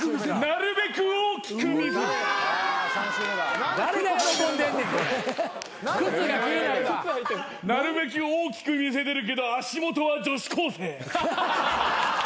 なるべく大きく見せてるけど足元は女子高生。